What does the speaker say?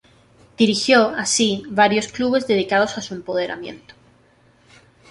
Dirigió, así, varios clubes dedicados a su empoderamiento.